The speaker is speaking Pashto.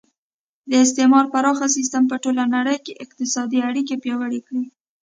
د استعمار پراخه سیسټم په ټوله نړۍ کې اقتصادي اړیکې پیاوړې کړې